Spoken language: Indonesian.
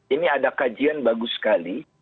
ini ada kajian bagus sekali